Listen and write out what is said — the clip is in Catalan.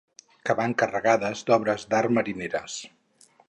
Que van carregades d'obres d'art marineres.